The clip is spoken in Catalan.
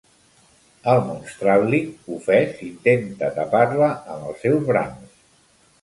El Monstràl·lic, ofès, intenta tapar-la amb els seus brams.